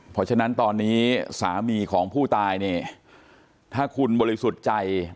พอฉะนั้นตอนนี้สามีของผู้ตายถ้าคุณบริสุทธิ์ใจ